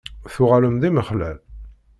Tuɣalem d imexlal?